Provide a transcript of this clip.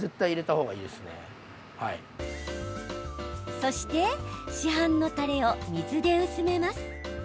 そして市販のたれを水で薄めます。